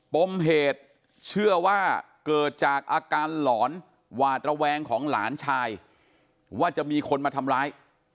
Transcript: ปมเหตุเชื่อว่าเกิดจากอาการหลอนหวาดระแวงของหลานชายว่าจะมีคนมาทำร้าย